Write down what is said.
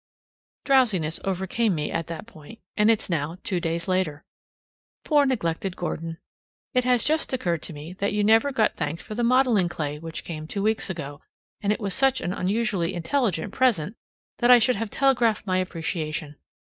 Drowsiness overcame me at that point, and it's now two days later. Poor neglected Gordon! It has just occurred to me that you never got thanked for the modeling clay which came two weeks ago, and it was such an unusually intelligent present that I should have telegraphed my appreciation.